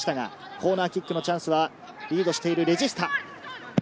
コーナーキックのチャンスはリードしているレジスタ。